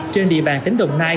trên địa bàn tỉnh đồng nai